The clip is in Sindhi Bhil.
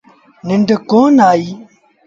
ننڊ ڪونا آئيٚ۔